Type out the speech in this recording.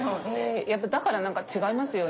だから何か違いますよね。